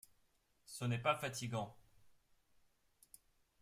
Ce n’est pas fatigant !